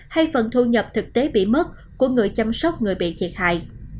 hay phần thu nhập thực tế bị mất của người chăm sóc người bị thiệt hại